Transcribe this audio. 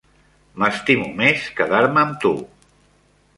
M'estimo més quedar-me amb tu.